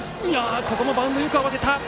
ここもバウンドをよく合わせた。